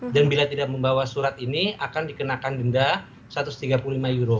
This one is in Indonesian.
dan bila tidak membawa surat ini akan dikenakan denda satu ratus tiga puluh lima euro